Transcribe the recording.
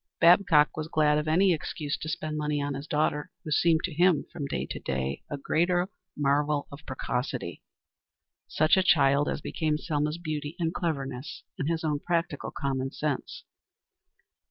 Babcock was glad of any excuse to spend money on his daughter, who seemed to him, from day to day, a greater marvel of precocity such a child as became Selma's beauty and cleverness and his own practical common sense.